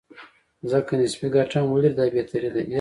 ځکه که نسبي ګټه هم ولري، دا بهتري ده.